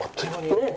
「ねえ」